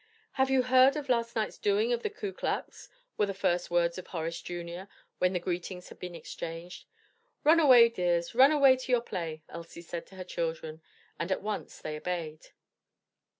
"Have you heard of last night's doings of the Ku Klux?" were the first words of Horace Jr. when the greetings had been exchanged. "Run away, dears, run away to your play," Elsie said to her children, and at once they obeyed.